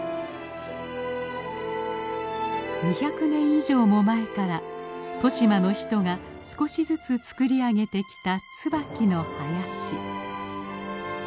２００年以上も前から利島の人が少しずつ作り上げてきたツバキの林。